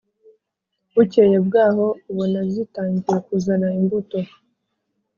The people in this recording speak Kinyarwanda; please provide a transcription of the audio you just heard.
bucyeye bw’aho, ubona zitangiye kuzana imbuto,